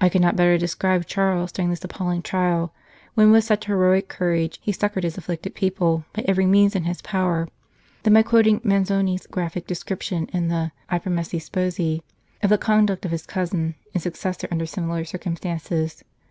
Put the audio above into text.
I cannot better describe Charles during this appalling trial, when with such heroic courage he succoured his afflicted people by every means in his power, than by quoting Manzoni s graphic descrip tion in the " I Promessi Sposi " of the conduct of his cousin and successor under similar circumstances.